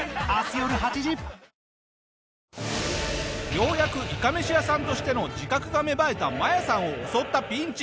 ようやくいかめし屋さんとしての自覚が芽生えたマヤさんを襲ったピンチ。